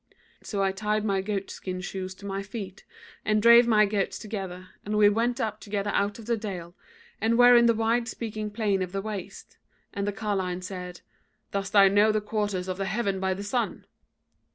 "So I tied my goatskin shoes to my feet, and drave my goats together, and we went up together out of the dale, and were in the wide spreading plain of the waste; and the carline said: 'Dost thou know the quarters of the heaven by the sun?'